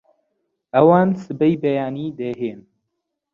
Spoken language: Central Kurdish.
ئەوان سبەی بەیانی دەهێن